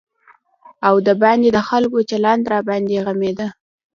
او د باندې د خلکو چلند راباندې غمېده.